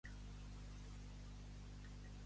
Em dic Tom Huerga: hac, u, e, erra, ge, a.